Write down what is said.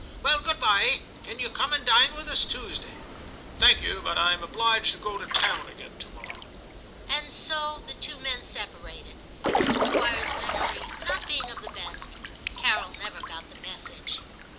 Well, good bye. Can you come and dine with us, Tuesday "i Thank you, but I am obliged to go to town again to morrow.' And so the two men separated ; and, the Squire's memory not being of the best, Carol never got the message.